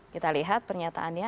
kita lihat pernyataannya